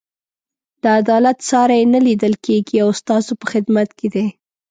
د عدالت ساری یې نه لیدل کېږي او ستاسو په خدمت کې دی.